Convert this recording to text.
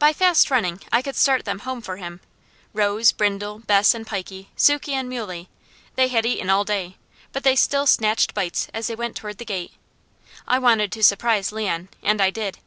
By fast running I could start them home for him: Rose, Brindle, Bess, and Pidy, Sukey and Muley; they had eaten all day, but they still snatched bites as they went toward the gate. I wanted to surprise Leon and I did.